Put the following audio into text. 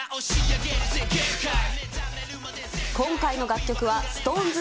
今回の楽曲はＳｉｘＴＯＮＥＳ